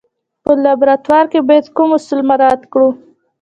په لابراتوار کې باید کوم اصول مراعات کړو.